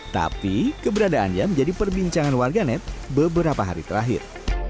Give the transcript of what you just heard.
tapi keberadaannya menjadi perbincangan warga net beberapa hari terakhir